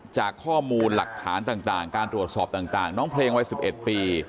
จากข้อมูลหลักฐานต่างการตรวจสอบต่างน้องเพลงวัย๑๑ปี